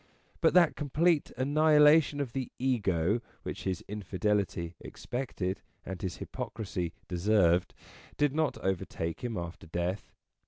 But that complete annihilation of the Ego, which his infidelity expected and his hypocrisy deserved, did not overtake him after death.